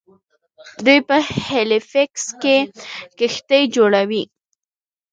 دوی په هیلیفیکس کې کښتۍ جوړوي.